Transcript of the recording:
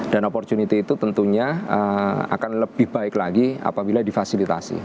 dan opportunity itu tentunya akan lebih baik lagi apabila difasilitasi